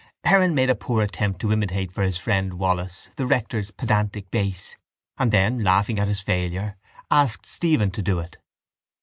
Heron made a poor attempt to imitate for his friend Wallis the rector's pedantic bass and then, laughing at his failure, asked Stephen to do it.